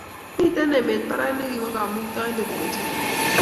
Mmiten emet barak nekiwo kamuktaindet kochab